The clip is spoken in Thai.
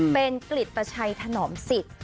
เป็นกริตชัยถนอมสิทธิ์